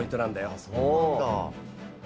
あっそうなんだ。